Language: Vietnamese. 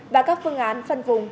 và các phương án phân vùng